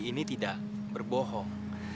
ini tidak berbohong